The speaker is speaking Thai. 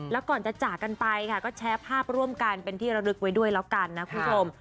แล้วก่อนจะจากกันไปค่ะก็แชร์ภาพร่วมกันเป็นที่ระลึกไว้ด้วยแล้วกันนะคุณผู้ชม